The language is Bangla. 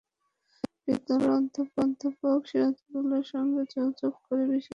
বিশ্ববিদ্যালয়ের প্রক্টর অধ্যাপক সিরাজুদ্দৌলার সঙ্গে যোগাযোগ করে বিষয়টি নিশ্চিত হওয়া গেছে।